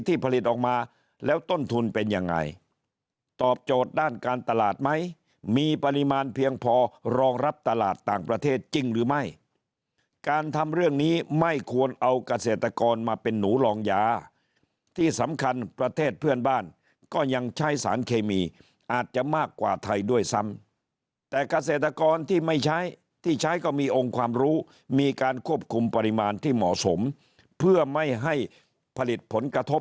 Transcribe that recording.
ผลิตออกมาแล้วต้นทุนเป็นยังไงตอบโจทย์ด้านการตลาดไหมมีปริมาณเพียงพอรองรับตลาดต่างประเทศจริงหรือไม่การทำเรื่องนี้ไม่ควรเอาเกษตรกรมาเป็นหนูรองยาที่สำคัญประเทศเพื่อนบ้านก็ยังใช้สารเคมีอาจจะมากกว่าไทยด้วยซ้ำแต่เกษตรกรที่ไม่ใช้ที่ใช้ก็มีองค์ความรู้มีการควบคุมปริมาณที่เหมาะสมเพื่อไม่ให้ผลิตผลกระทบ